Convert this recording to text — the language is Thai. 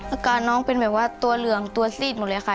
อาการน้องเป็นแบบว่าตัวเหลืองตัวซีดหมดเลยค่ะ